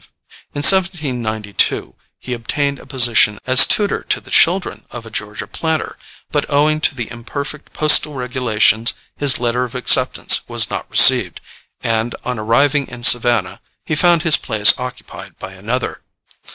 In 1792 he obtained a position as tutor to the children of a Georgia planter, but owing to the imperfect postal regulations his letter of acceptance was not received, and on arriving in Savannah he found his place occupied by another.